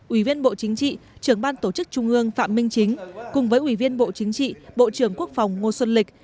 ủy viên bộ chính trị trưởng ban tổ chức trung ương phạm minh chính cùng với ủy viên bộ chính trị bộ trưởng quốc phòng ngô xuân lịch